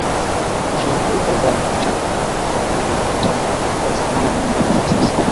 Uso wake ukavaa mshangao alipojikuta anatazamana na mdomo wa risasi